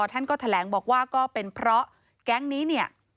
ท่านก็แถลงบอกว่าก็เป็นเพราะแก๊งนี้เนี่ย